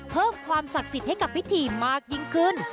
เพิ่มความศักดิ์สิทธิ์ให้กับพิธีมากยิ่งขึ้น